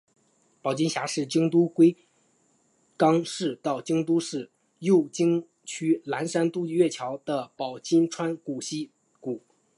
保津峡是京都府龟冈市到京都市右京区岚山渡月桥的保津川溪谷。